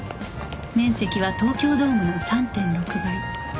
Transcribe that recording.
面積は東京ドームの ３．６ 倍